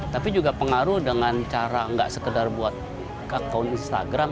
tapi juga pengaruh dengan cara nggak sekedar buat akun instagram